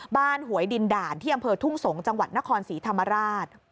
หวยดินด่านที่อำเภอทุ่งสงศ์จังหวัดนครศรีธรรมราช